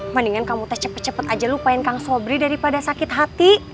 mendingan kamu teh cepet cepet aja lupain kang sobrie daripada sakit hati